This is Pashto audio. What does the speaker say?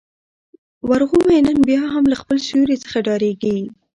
ورغومی نن بيا هم له خپل سیوري څخه ډارېږي.